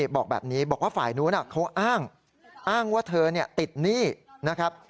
บอกแบบนี้บอกว่าฝ่ายนู้นเขาอ้างอ้างว่าเธอติดหนี้นะครับ